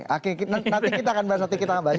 oke nanti kita akan bahas satu satu lagi